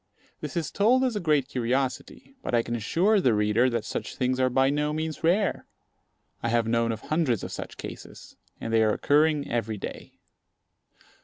This is told as a great curiosity; but I can assure the reader that such things are by no means rare. I have known of hundreds of such cases; and they are occurring every day.